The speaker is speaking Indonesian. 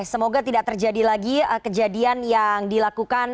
semoga tidak terjadi lagi kejadian yang dilakukan